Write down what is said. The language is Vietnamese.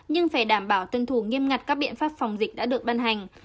nhưng phải đảm bảo tân thủ nghiêm ngặt các biện pháp phòng dịch đã được bân hành